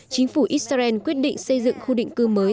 chính phủ israel quyết định xây dựng khu định cư mới